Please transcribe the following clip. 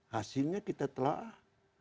hasilnya kita telah